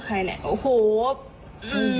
อันนี้ลูกใครน่ะโอ้โห